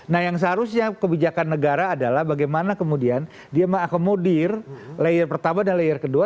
nah yang seharusnya kebijakan negara adalah bagaimana kemudian dia mengakomodir layer pertama dan layer kedua